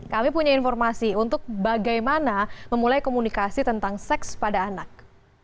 kami punya informasi untuk bagaimana memulai komunikasi tentang seks pada anak